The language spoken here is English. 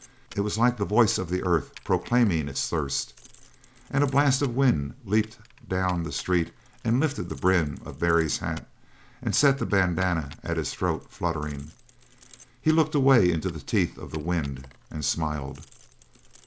It was like the voice of the earth proclaiming its thirst. And a blast of wind leaped down the street and lifted the brim of Barry's hat and set the bandana at his throat fluttering. He looked away into the teeth of the wind and smiled.